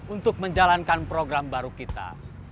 untuk menjalankan program baru kita